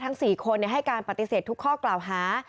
ทั้งสี่คนให้การปฏิเสธทุกข้อกล่าวหา